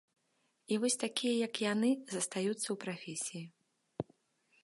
І вось такія, як яны, застаюцца ў прафесіі.